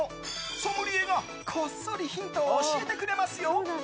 ソムリエが、こっそりヒントを教えてくれますよ。